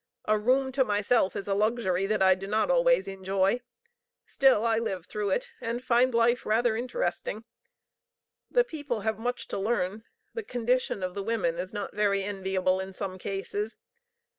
A room to myself is a luxury that I do not always enjoy. Still I live through it, and find life rather interesting. The people have much to learn. The condition of the women is not very enviable in some cases.